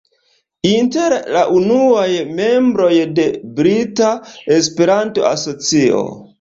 Inter la unuaj membroj de Brita Esperanto-Asocio.